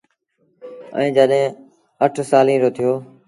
ائيٚݩ جڏهيݩ اَٺ سآليٚݩ رو ٿيو۔